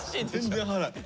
全然払う。